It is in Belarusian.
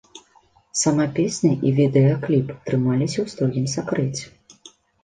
Сама песня і відэакліп трымаліся ў строгім сакрэце.